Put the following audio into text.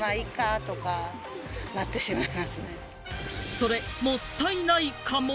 それ、もったいないかも！